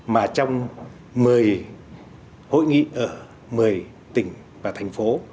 mà trong một mươi hội nghị ở một mươi tỉnh và thành phố